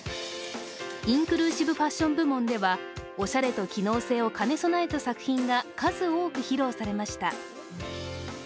インクルーシブファッション部門ではおしゃれと機能性を兼ね備えた作品が数多く披露されました。